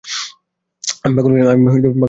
আমি পাগল কিনা চেক করতে চাও?